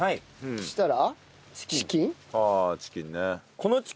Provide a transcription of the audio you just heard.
そしたら。